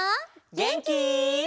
げんき？